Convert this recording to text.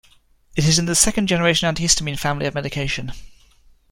It is in the second-generation antihistamine family of medication.